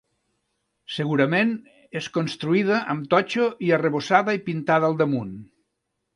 Segurament és construïda amb totxo i arrebossada i pintada al damunt.